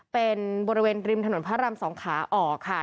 เป็นบริเวณริมถนนพระราม๒ขาออกค่ะ